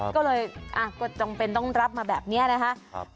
ก็เลยก็จำเป็นต้องรับมาแบบนี้นะคะ